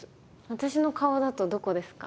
私の顔だとどこですか？